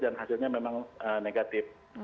dan hasilnya memang negatif